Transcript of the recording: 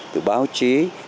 từ báo chí